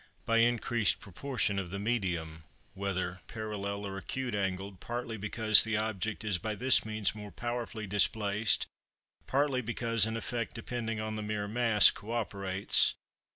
By increased proportion of the medium, whether parallel or acute angled; partly because the object is by this means more powerfully displaced, partly because an effect depending on the mere mass co operates.